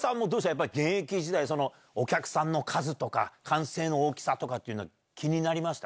やっぱり現役時代、お客さんの数とか、歓声の大きさとかというのは、気になりました？